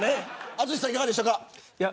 淳さん、いかがでしたか。